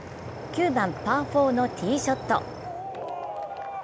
９番パー４のティーショット。